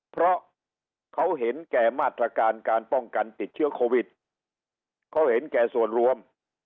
เพราะเขาเห็นแก่มาตรการการป้องกันติดเชื้อโควิดเขาเห็นแก่ส่วนรวม